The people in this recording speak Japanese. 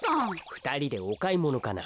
ふたりでおかいものかな？